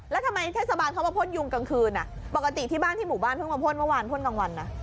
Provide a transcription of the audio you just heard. แล้วทำไมเทศบาลเขามาพ่นยุงกลางคืนปกติที่บ้านที่หมู่บ้านเพิ่งมาพ่นเมื่อวานพ่นกลางวันนะ